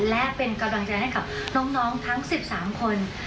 และเป็นกำลังใจให้กับน้องทั้ง๑๓คน